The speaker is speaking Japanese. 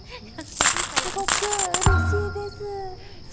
すごくうれしいです。